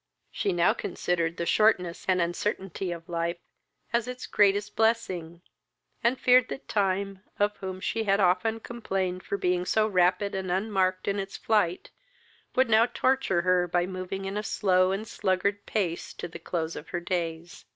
She now considered the shortness and uncertainty of life as its greatest blessing, and feared that time, of whom she had often complained for being so rapid and unmarked in its flight, would now torture her by moving in a slow and sluggard pace to the close of her days.